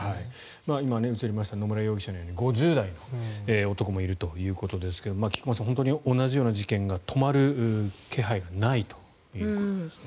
今、映りました野村容疑者のように５０代の男もいるということですが同じような事件が止まる気配がないということですね。